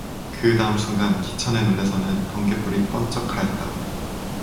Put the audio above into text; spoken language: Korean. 그 다음 순간 기천 의눈에서는 번갯불이 뻔쩍하였다.